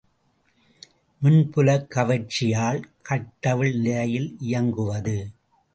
மின்புலக் கவர்ச்சியால் கட்டவிழ் நிலையில் இயங்குவது.